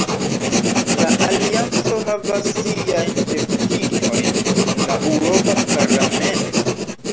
La Alianco havas siajn deputitojn en la Eŭropa Parlamento.